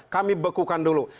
kami bekukan dulu